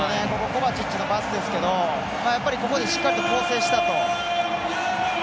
コバチッチのパスですけどやっぱり、ここでしっかりと構成したと。